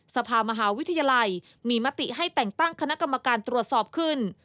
สภามหาวิทยาลัยมีมติให้แต่งตั้งคณะกรรมการตรวจสอบขึ้น